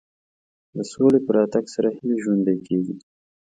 د سولې په راتګ سره هیله ژوندۍ کېږي.